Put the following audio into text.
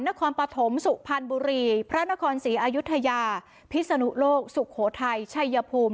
นครปฐมสุพรรณบุรีพระนครศรีอายุทยาพิศนุโลกสุโขทัยชัยภูมิ